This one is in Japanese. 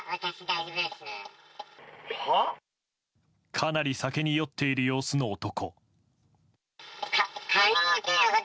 かなり酒に酔っている様子の男。